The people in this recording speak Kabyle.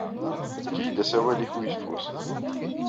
Efk-iyi-d asawal-nnek n ufus.